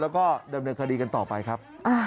แล้วก็ดำเนินคดีกันต่อไปครับ